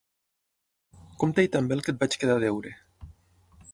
Compta-hi també el que et vaig quedar a deure.